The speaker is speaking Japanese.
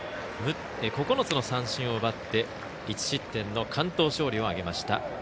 ９つの三振を奪って１失点の完投勝利を挙げました。